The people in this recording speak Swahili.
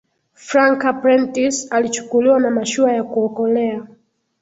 franca prentice alichukuliwa na mashua ya kuokolea